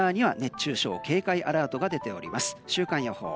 週間予報。